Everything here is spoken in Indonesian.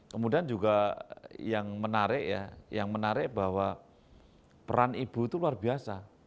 kemudian juga yang menarik ya yang menarik bahwa peran ibu itu luar biasa